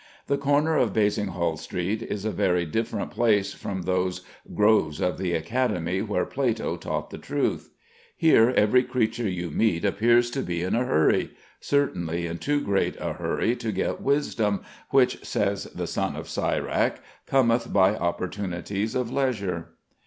The corner of Basinghall Street is a very different place from those "groves of the Academy where Plato taught the truth." Here every creature you meet appears to be in a hurry certainly in too great a hurry to get wisdom, which, says the son of Sirach, "cometh by opportunities of leisure."